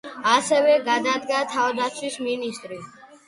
ასევე გადადგა თავდაცვის მინისტრი.